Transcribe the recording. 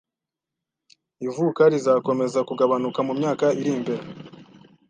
Ivuka rizakomeza kugabanuka mumyaka iri imbere.